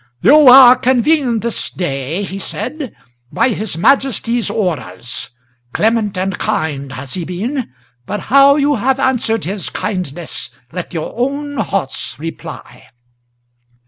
"You are convened this day," he said, "by his Majesty's orders. Clement and kind has he been; but how you have answered his kindness, Let your own hearts reply!